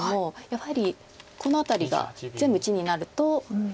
やはりこの辺りが全部地になると大きいので。